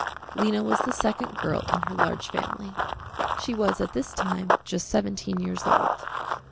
Lena was the second girl in her large family. She was at this time just seventeen years old.